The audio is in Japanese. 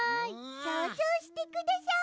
そうぞうしてください。